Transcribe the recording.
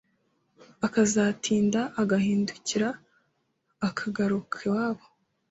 akazatinda agahindukira akagaruka iwabo